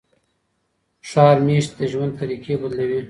ښار میشتي د ژوند طریقې بدلوي.